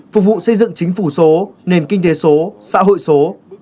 phục vụ xây dựng chính phủ số nền kinh tế số xã hội số